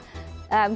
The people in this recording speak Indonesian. masih sangat merah